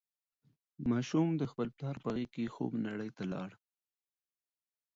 ماشوم د خپل پلار په غېږ کې د خوب نړۍ ته لاړ.